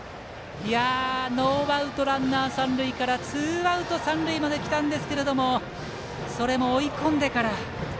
ノーアウト、ランナー、三塁からツーアウト、三塁まできたんですけれどもそれも追い込んでから。